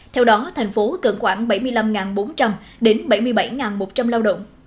theo đó thành phố cần khoảng bảy mươi năm bốn trăm linh đến bảy mươi bảy một trăm linh lao động